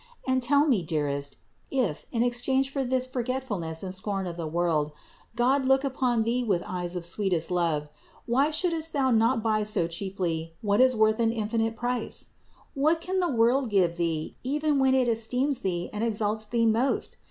And tell me, dearest, if, in exchange for this forgetfulness and scorn of the world, God look upon thee with eyes of sweetest love, why shouldst thou not buy so cheaply what is worth an infinite price? What can the world give thee, even when it esteems thee and exalts thee most?